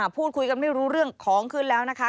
พูดคุยกันไม่รู้เรื่องของขึ้นแล้วนะคะ